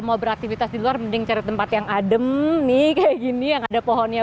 mau beraktivitas di luar mending cari tempat yang adem nih kayak gini yang ada pohonnya